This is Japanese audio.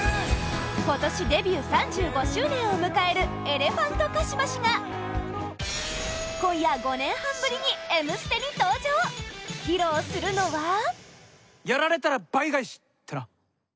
今年デビュー３５周年を迎えるエレファントカシマシが今夜、５年半ぶりに「Ｍステ」に登場披露するのは西木：やられたら倍返しってな。